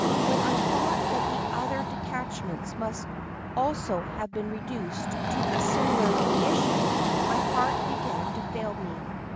When I thought that the other detachments must also have been reduced to a similar condition, my heart began to fail me.